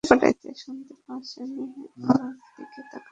শুনতে পাস নি, আমার দিকে তাকা।